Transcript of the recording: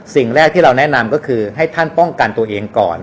สิ่งแรกที่เราแนะนำก็คือให้ท่านป้องกันตัวเองก่อน